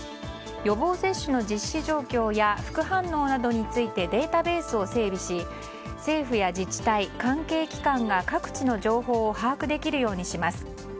予防接種の実施状況や副反応などについてデータベースを整備し政府や自治体、関係機関が各地の情報を把握できるようにします。